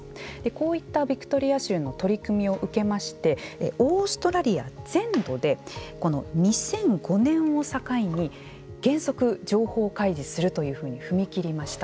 こういったビクトリア州の取り組みを受けましてオーストラリア全土で２００５年を境に原則、情報開示するというふうに踏み切りました。